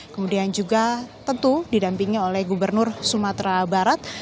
kemudian juga tentu didampingi oleh gubernur sumatera barat